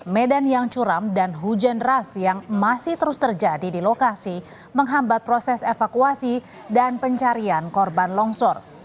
medan yang curam dan hujan ras yang masih terus terjadi di lokasi menghambat proses evakuasi dan pencarian korban longsor